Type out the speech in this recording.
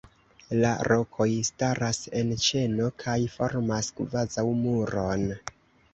La rokoj staras en ĉeno kaj formas kvazaŭ muron.